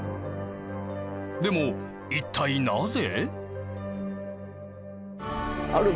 でも一体なぜ？